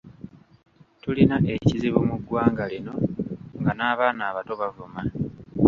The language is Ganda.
Tulina ekizibu mu ggwanga lino nga n'abaana abato bavuma.